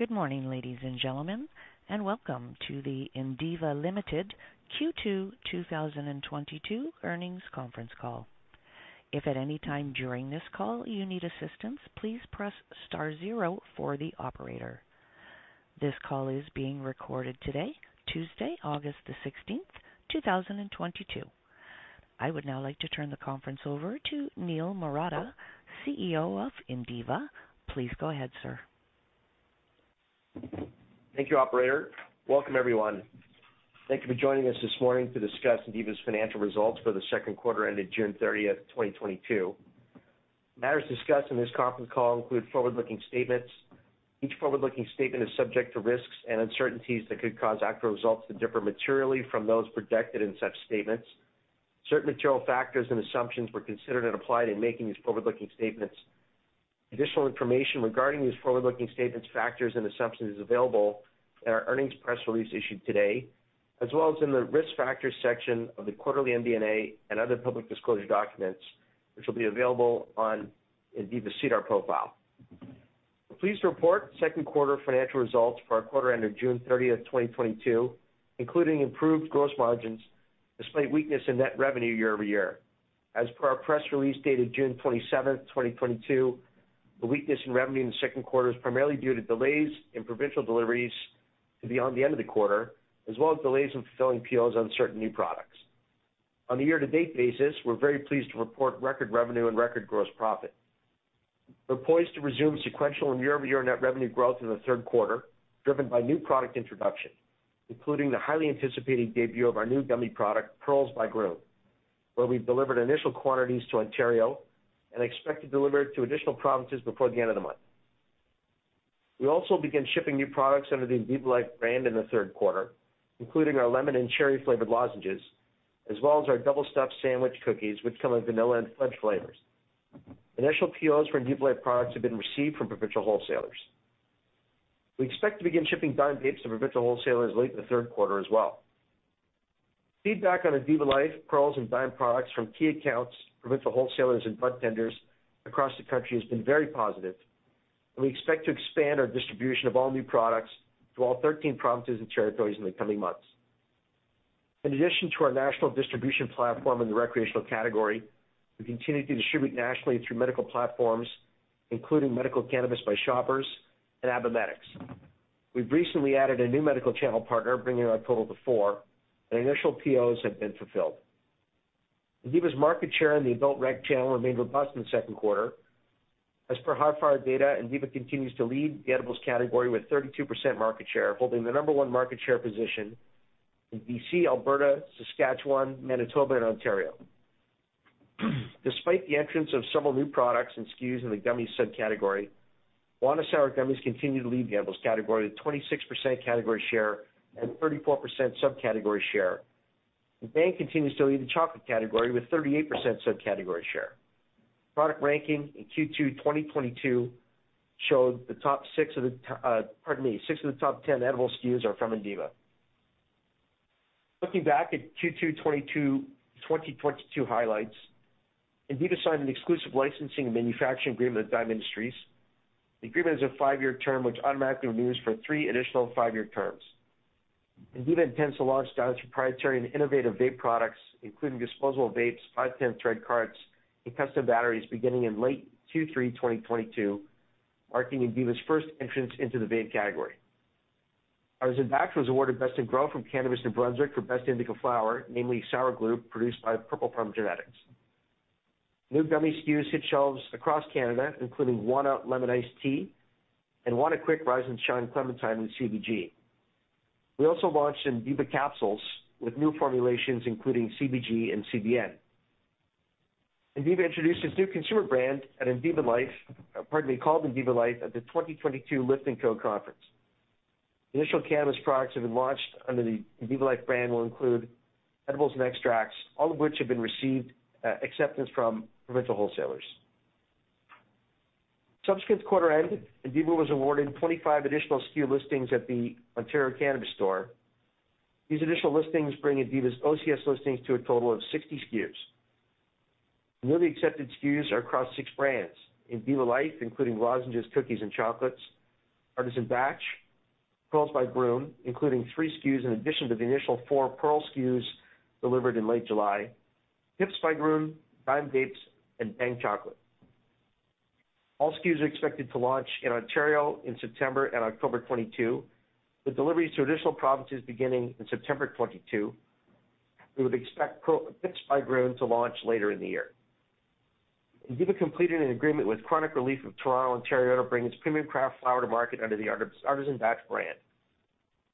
Good morning, ladies and gentlemen, and welcome to the Indiva Limited Q2 2022 earnings conference call. If at any time during this call you need assistance, please press star zero for the operator. This call is being recorded today, Tuesday, August 16, 2022. I would now like to turn the conference over to Niel Marotta, CEO of Indiva. Please go ahead, sir. Thank you, operator. Welcome, everyone. Thank you for joining us this morning to discuss Indiva's financial results for the second quarter ended June 30, 2022. Matters discussed in this conference call include forward-looking statements. Each forward-looking statement is subject to risks and uncertainties that could cause actual results to differ materially from those projected in such statements. Certain material factors and assumptions were considered and applied in making these forward-looking statements. Additional information regarding these forward-looking statements factors and assumptions is available in our earnings press release issued today, as well as in the Risk Factors section of the quarterly MD&A and other public disclosure documents, which will be available on Indiva's SEDAR profile. We're pleased to report second quarter financial results for our quarter ended June 30, 2022, including improved gross margins despite weakness in net revenue year-over-year. As per our press release dated June 27, 2022, the weakness in revenue in the second quarter is primarily due to delays in provincial deliveries to beyond the end of the quarter, as well as delays in fulfilling POs on certain new products. On the year-to-date basis, we're very pleased to report record revenue and record gross profit. We're poised to resume sequential and year-over-year net revenue growth in the third quarter, driven by new product introduction, including the highly anticipated debut of our new gummy product, Pearls by Grön, where we've delivered initial quantities to Ontario and expect to deliver to additional provinces before the end of the month. We also begin shipping new products under the Indiva Life brand in the third quarter, including our lemon and cherry-flavored lozenges, as well as our double stuffed sandwich cookies, which come in vanilla and fudge flavors. Initial POs for Indiva Life products have been received from provincial wholesalers. We expect to begin shipping Dime Vapes to provincial wholesalers late in the third quarter as well. Feedback on Indiva Life, Pearls, and Dime products from key accounts, provincial wholesalers, and budtenders across the country has been very positive, and we expect to expand our distribution of all new products to all 13 provinces and territories in the coming months. In addition to our national distribution platform in the recreational category, we continue to distribute nationally through medical platforms, including Medical Cannabis by Shoppers and Abba Medix. We've recently added a new medical channel partner, bringing our total to 4, and initial POs have been fulfilled. Indiva's market share in the adult rec channel remained robust in the second quarter. As per Hifyre data, Indiva continues to lead the edibles category with 32% market share, holding the number one market share position in BC, Alberta, Saskatchewan, Manitoba, and Ontario. Despite the entrance of several new products and SKUs in the gummies subcategory, Wana Sour Gummies continue to lead the edibles category with 26% category share and 34% subcategory share. The brand continues to lead the chocolate category with 38% subcategory share. Product ranking in Q2 2022 showed the top six of the top 10 edibles SKUs are from Indiva. Looking back at Q2 2022 highlights, Indiva signed an exclusive licensing and manufacturing agreement with Dime Industries. The agreement is a five-year term, which automatically renews for three additional five-year terms. Indiva intends to launch Dime's proprietary and innovative vape products, including disposable vapes, 510 thread carts, and custom batteries beginning in late Q3 2022, marking Indiva's first entrance into the vape category. Our Artisan Batch was awarded Best in Grow from Cannabis New Brunswick for best indica flower, namely Sour Glue, produced by Purple Thumb Genetics. New gummy SKUs hit shelves across Canada, including Wana Lemon Iced Tea and Wana Quick Rise and Shine Clementine with CBG. We also launched Indiva capsules with new formulations, including CBG and CBN. Indiva introduced its new consumer brand called Indiva Life at the 2022 Lift & Co. conference. Initial cannabis products have been launched under the Indiva Life brand, will include edibles and extracts, all of which have received acceptance from provincial wholesalers. Subsequent to quarter end, Indiva was awarded 25 additional SKU listings at the Ontario Cannabis Store. These additional listings bring Indiva's OCS listings to a total of 60 SKUs. Newly accepted SKUs are across six brands, Indiva Life, including lozenges, cookies, and chocolates, Artisan Batch, Pearls by Grön, including three SKUs in addition to the initial four Pearls SKUs delivered in late July, Pips by Grön, Dime Vapes, and Bhang Chocolate. All SKUs are expected to launch in Ontario in September and October 2022, with deliveries to additional provinces beginning in September 2022. We would expect Pips by Grön to launch later in the year. Indiva completed an agreement with Kronic Relief of Toronto, Ontario, to bring its premium craft flower to market under the Artisan Batch brand.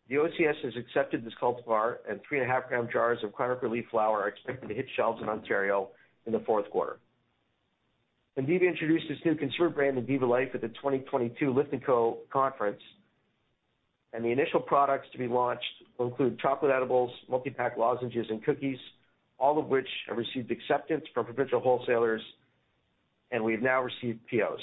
The OCS has accepted this cultivar, and 3.5-gram jars of Kronic Relief flower are expected to hit shelves in Ontario in the fourth quarter. Indiva introduced its new consumer brand, Indiva Life, at the 2022 Lift & Co. conference, and the initial products to be launched will include chocolate edibles, multi-pack lozenges, and cookies, all of which have received acceptance from provincial wholesalers, and we've now received POs.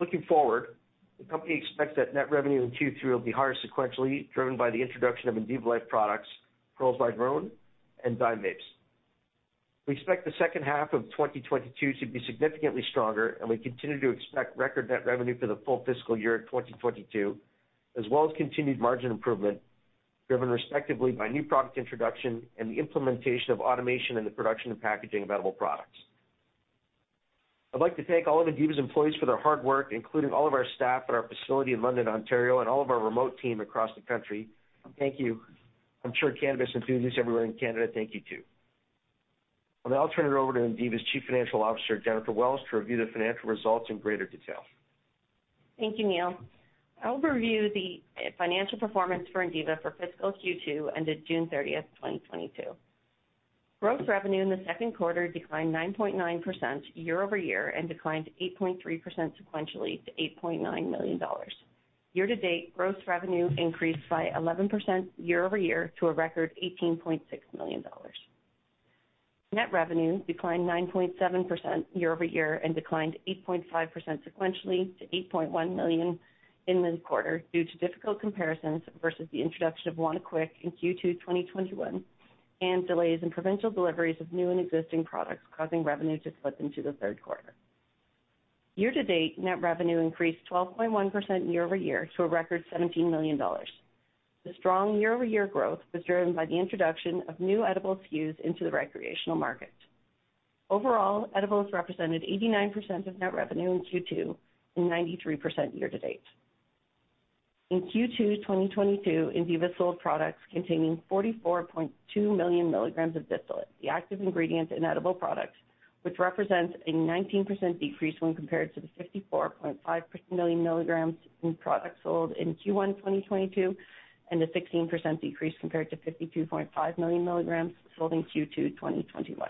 Looking forward, the company expects that net revenue in Q3 will be higher sequentially, driven by the introduction of Indiva Life products, Pearls by Grön, and Dime Vapes. We expect the second half of 2022 to be significantly stronger, and we continue to expect record net revenue for the full fiscal year of 2022, as well as continued margin improvement, driven respectively by new product introduction and the implementation of automation in the production and packaging of edible products. I'd like to thank all of Indiva's employees for their hard work, including all of our staff at our facility in London, Ontario, and all of our remote team across the country. Thank you. I'm sure cannabis enthusiasts everywhere in Canada thank you too. I'll now turn it over to Indiva's Chief Financial Officer, Jennifer Welsh, to review the financial results in greater detail. Thank you, Niel. I'll review the financial performance for Indiva for fiscal Q2 ended June thirtieth, 2022. Gross revenue in the second quarter declined 9.9% year-over-year and declined 8.3% sequentially to 8.9 million dollars. Year to date, gross revenue increased by 11% year-over-year to a record 18.6 million dollars. Net revenue declined 9.7% year-over-year and declined 8.5% sequentially to 8.1 million in this quarter due to difficult comparisons versus the introduction of Wana Quick in Q2 2021 and delays in provincial deliveries of new and existing products, causing revenue to slip into the third quarter. Year to date, net revenue increased 12.1% year-over-year to a record 17 million dollars. The strong year-over-year growth was driven by the introduction of new edible SKUs into the recreational market. Overall, edibles represented 89% of net revenue in Q2 and 93% year to date. In Q2 2022, Indiva sold products containing 44.2 million mg of distillate, the active ingredient in edible products, which represents a 19% decrease when compared to the 54.5 million mg in products sold in Q1 2022, and a 16% decrease compared to 52.5 million mg sold in Q2 2021.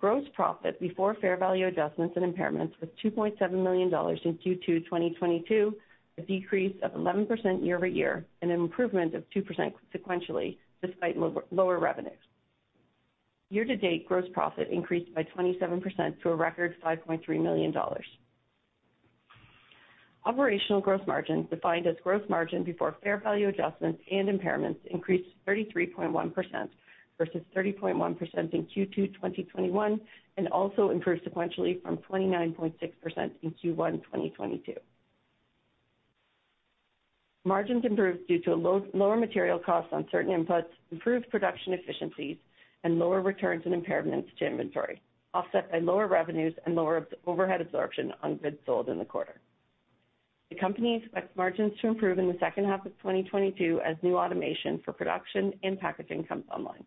Gross profit before fair value adjustments and impairments was 2.7 million dollars in Q2 2022, a decrease of 11% year-over-year and an improvement of 2% sequentially despite lower revenues. Year to date, gross profit increased by 27% to a record 5.3 million dollars. Operational gross margin, defined as gross margin before fair value adjustments and impairments, increased 33.1% versus 30.1% in Q2 2021 and also improved sequentially from 29.6% in Q1 2022. Margins improved due to lower material cost on certain inputs, improved production efficiencies, and lower returns and impairments to inventory, offset by lower revenues and lower overhead absorption on goods sold in the quarter. The company expects margins to improve in the second half of 2022 as new automation for production and packaging comes online.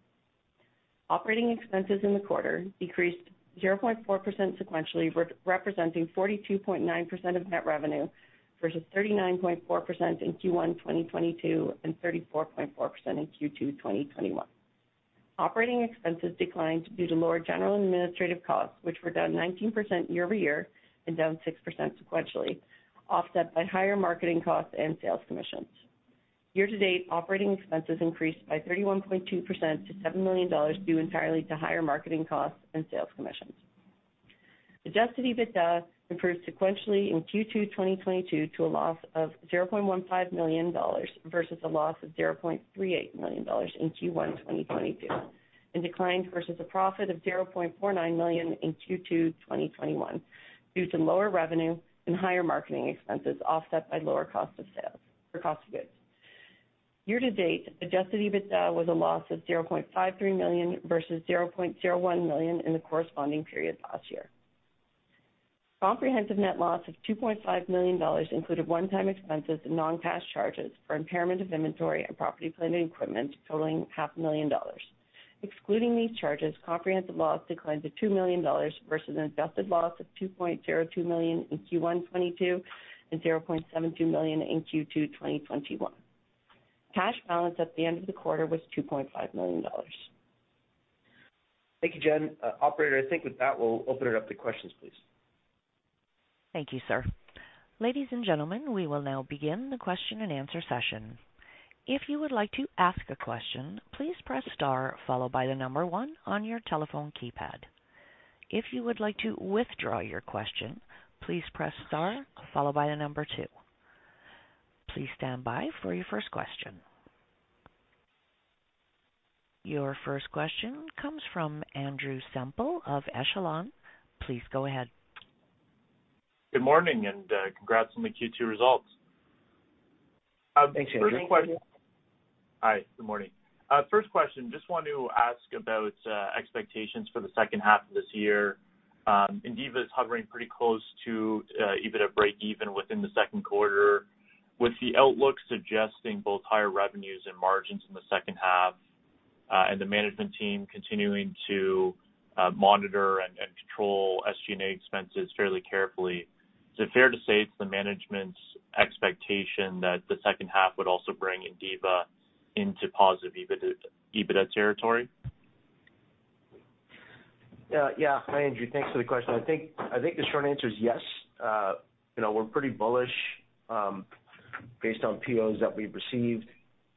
Operating expenses in the quarter decreased 0.4% sequentially, representing 42.9% of net revenue versus 39.4% in Q1 2022 and 34.4% in Q2 2021. Operating expenses declined due to lower general and administrative costs, which were down 19% year-over-year and down 6% sequentially, offset by higher marketing costs and sales commissions. Year to date, operating expenses increased by 31.2% to 7 million dollars due entirely to higher marketing costs and sales commissions. Adjusted EBITDA improved sequentially in Q2 2022 to a loss of 0.15 million dollars versus a loss of 0.38 million dollars in Q1 2022, and declined versus a profit of 0.49 million in Q2 2021 due to lower revenue and higher marketing expenses, offset by lower cost of sales or cost of goods. Year to date, Adjusted EBITDA was a loss of 0.53 million versus 0.01 million in the corresponding period last year. Comprehensive net loss of 2.5 million dollars included one-time expenses and non-cash charges for impairment of inventory and property, plant, and equipment totaling CAD half a million dollars. Excluding these charges, comprehensive loss declined to 2 million dollars versus an adjusted loss of 2.02 million in Q1 2022 and 0.72 million in Q2 2021. Cash balance at the end of the quarter was 2.5 million dollars. Thank you, Jen. Operator, I think with that, we'll open it up to questions, please. Thank you, sir. Ladies and gentlemen, we will now begin the question-and-answer session. If you would like to ask a question, please press star followed by the number 1 on your telephone keypad. If you would like to withdraw your question, please press star followed by the number 2. Please stand by for your first question. Your first question comes from Andrew Semple of Echelon. Please go ahead. Good morning, congrats on the Q2 results. Thanks, Andrew. First question. Hi. Good morning. First question, just want to ask about expectations for the second half of this year. Indiva is hovering pretty close to EBITDA breakeven within the second quarter. With the outlook suggesting both higher revenues and margins in the second half, and the management team continuing to monitor and control SG&A expenses fairly carefully, is it fair to say it's the management's expectation that the second half would also bring Indiva into positive EBITDA territory? Yeah. Hi, Andrew. Thanks for the question. I think the short answer is yes. You know, we're pretty bullish based on POs that we've received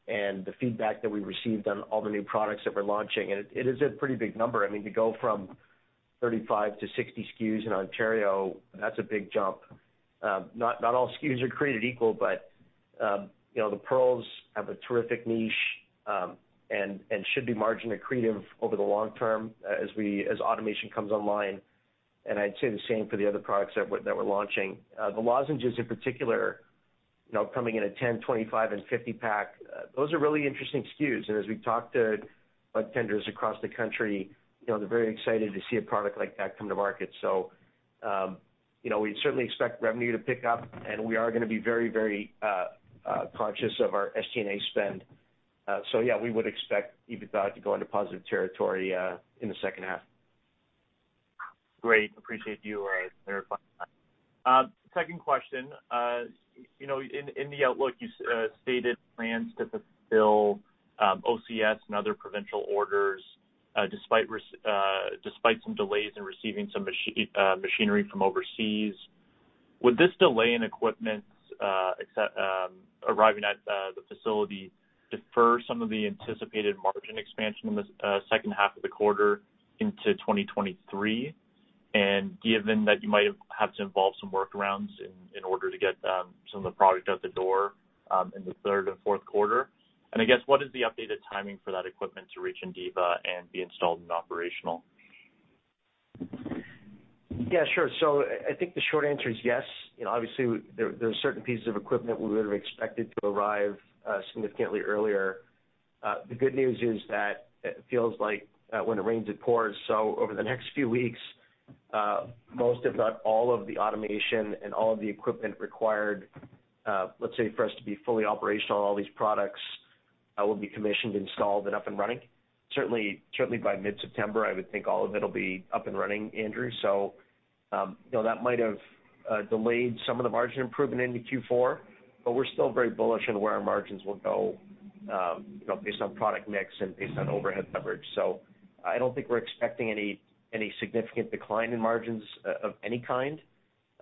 and the feedback that we've received on all the new products that we're launching. It is a pretty big number. I mean, to go from 35 to 60 SKUs in Ontario, that's a big jump. Not all SKUs are created equal, but you know, the Pearls have a terrific niche and should be margin accretive over the long term as automation comes online. I'd say the same for the other products that we're launching. The lozenges in particular, you know, coming in a 10, 25, and 50 pack, those are really interesting SKUs. As we talk to budtenders across the country, you know, they're very excited to see a product like that come to market. You know, we certainly expect revenue to pick up, and we are gonna be very conscious of our SG&A spend. Yeah, we would expect EBITDA to go into positive territory in the second half. Great. Appreciate you clarifying that. Second question. You know, in the outlook, you stated plans to fulfill OCS and other provincial orders despite some delays in receiving some machinery from overseas. Would this delay in equipment expected arriving at the facility defer some of the anticipated margin expansion in the second half of the quarter into 2023? Given that you might have to involve some workarounds in order to get some of the product out the door in the third and fourth quarter. I guess, what is the updated timing for that equipment to reach Indiva and be installed and operational? Yeah, sure. I think the short answer is yes. You know, obviously there are certain pieces of equipment we would have expected to arrive significantly earlier. The good news is that it feels like when it rains, it pours. Over the next few weeks, most, if not all of the automation and all of the equipment required, let's say, for us to be fully operational, all these products, will be commissioned, installed, and up and running. Certainly by mid-September, I would think all of it'll be up and running, Andrew. You know, that might have delayed some of the margin improvement into Q4, but we're still very bullish on where our margins will go, you know, based on product mix and based on overhead leverage. I don't think we're expecting any significant decline in margins of any kind.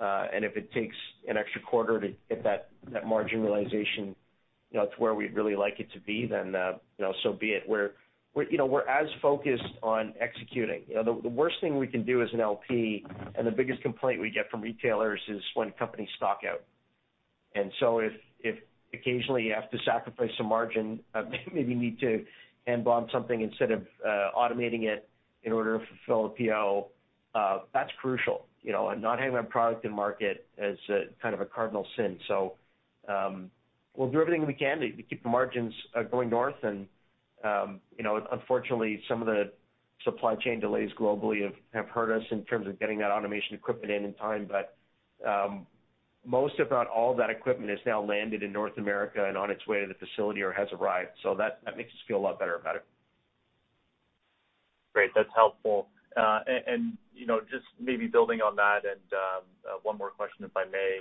If it takes an extra quarter to get that margin realization, you know, to where we'd really like it to be, then, you know, so be it. We're, you know, as focused on executing. You know, the worst thing we can do as an LP, and the biggest complaint we get from retailers is when companies stock out. If occasionally you have to sacrifice some margin, maybe you need to hand bomb something instead of automating it in order to fulfill a PO, that's crucial. You know and not having that product in market is a kind of a cardinal sin. We'll do everything we can to keep the margins going north. You know, unfortunately, some of the supply chain delays globally have hurt us in terms of getting that automation equipment in time. Most, if not all of that equipment has now landed in North America and on its way to the facility or has arrived, so that makes us feel a lot better about it. Great. That's helpful. You know, just maybe building on that and one more question, if I may.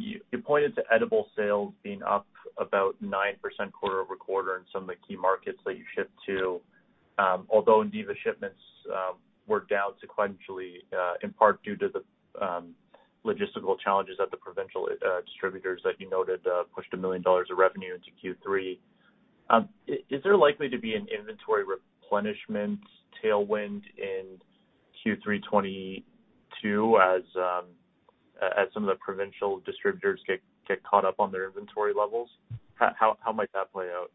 You pointed to edible sales being up about 9% quarter-over-quarter in some of the key markets that you ship to. Although Indiva shipments were down sequentially in part due to the logistical challenges at the provincial distributors that you noted pushed 1 million dollars of revenue into Q3. Is there likely to be an inventory replenishment tailwind in Q3 2022 as some of the provincial distributors get caught up on their inventory levels? How might that play out?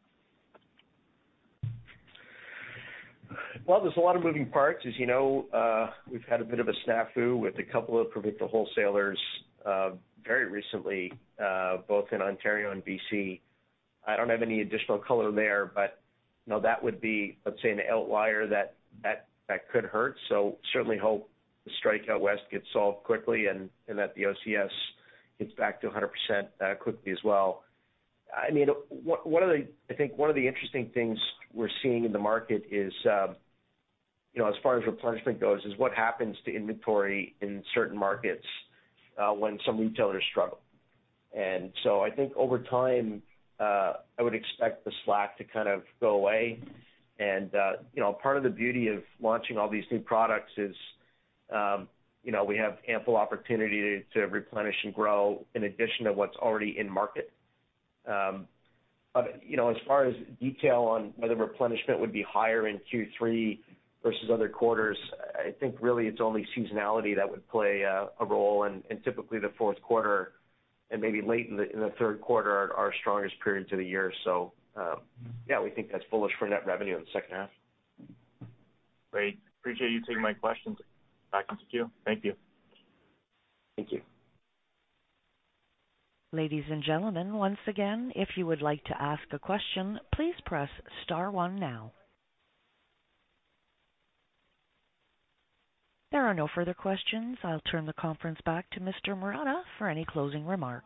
Well, there's a lot of moving parts. As you know, we've had a bit of a snafu with a couple of provincial wholesalers, very recently, both in Ontario and BC. I don't have any additional color there, but, you know, that would be, let's say, an outlier that could hurt. Certainly hope the strike out west gets solved quickly and that the OCS gets back to 100% quickly as well. I mean, one of the interesting things we're seeing in the market is, you know, as far as replenishment goes, is what happens to inventory in certain markets when some retailers struggle. I think over time I would expect the slack to kind of go away. Part of the beauty of launching all these new products is, you know, we have ample opportunity to replenish and grow in addition to what's already in market. You know, as far as detail on whether replenishment would be higher in Q3 versus other quarters, I think really it's only seasonality that would play a role. Typically the fourth quarter and maybe late in the third quarter are our strongest periods of the year. Yeah, we think that's bullish for net revenue in the second half. Great. Appreciate you taking my questions. Back to you. Thank you. Thank you. Ladies and gentlemen, once again, if you would like to ask a question, please press star one now. There are no further questions. I'll turn the conference back to Mr. Marotta for any closing remarks.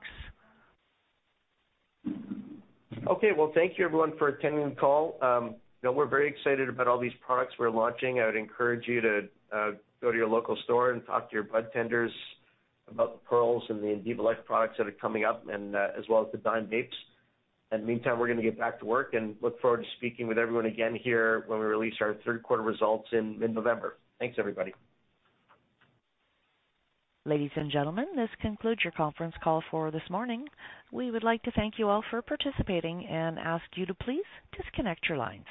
Okay. Well, thank you everyone for attending the call. You know, we're very excited about all these products we're launching. I would encourage you to go to your local store and talk to your budtenders about the Pearls and the Indiva Life products that are coming up and as well as the Dime Vapes. In the meantime, we're gonna get back to work and look forward to speaking with everyone again here when we release our third quarter results in mid-November. Thanks, everybody. Ladies and gentlemen, this concludes your conference call for this morning. We would like to thank you all for participating and ask you to please disconnect your lines.